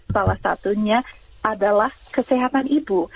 salah satunya adalah kesehatan ibu